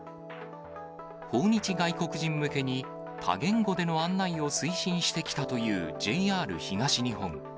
訪日外国人向けに、多言語での案内を推進してきたというＪＲ東日本。